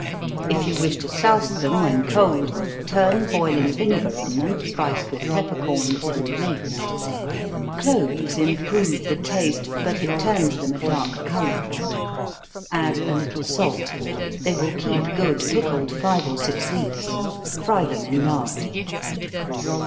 If you wish to souse them when cold, turn boiling vinegar on them, spiced with pepper corns, and mace. Cloves improve the taste, but it turns them a dark color. Add a little salt. They will keep good pickled five or six weeks. Fry them in lard.